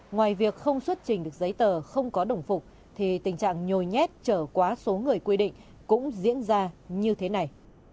ngoài việc không xuất trình được giấy tờ không có đồng phục thì tình trạng nhồi nhét trở quá số người quy định cũng diễn ra như thế này